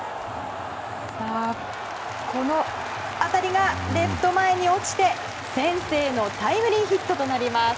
この当たりがレフト前に落ちて先制のタイムリーヒットとなります。